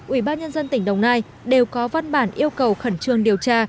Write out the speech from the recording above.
ủy ban nhân dân tỉnh đồng nai đều có văn bản yêu cầu khẩn trương điều tra